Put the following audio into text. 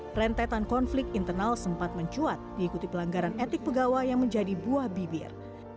perentetan konflik internal sempat mencuat diikuti pelanggaran etik pegawai yang menjadi buah bibir